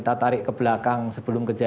penyelidikan sudah cekup untuk berharap kami